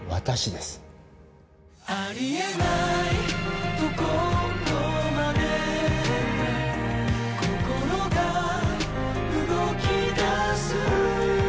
「有り得ないところまで心が動き出す」